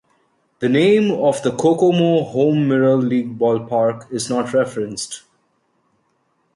The name of the Kokomo home minor league ballpark is not referenced.